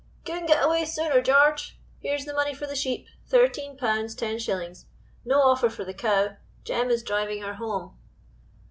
"Couldn't get away sooner, George; here's the money for the sheep, 13 pounds 10s.; no offer for the cow, Jem is driving her home."